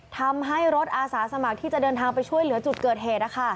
ทำให้รถอาสาสมัครที่จะเดินทางไปช่วยเหลือจุดเกิดเหตุ